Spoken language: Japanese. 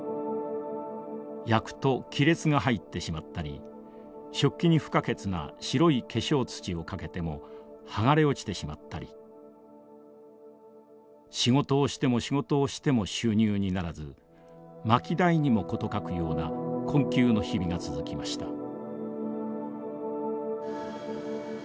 焼くと亀裂が入ってしまったり食器に不可欠な白い化粧土をかけても剥がれ落ちてしまったり仕事をしても仕事をしても収入にならず薪代にも事欠くような困窮の日々が続きました。